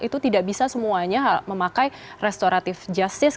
itu tidak bisa semuanya memakai restoratif justice